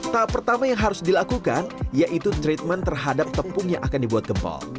tahap pertama yang harus dilakukan yaitu treatment terhadap tepung yang akan dibuat gempol